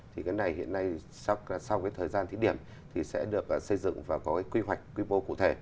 thì cái này hiện nay sau cái thời gian thí điểm thì sẽ được xây dựng và có cái quy hoạch quy mô cụ thể